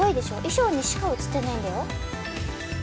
衣装にしか映ってないんだよ。